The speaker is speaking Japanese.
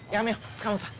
塚本さん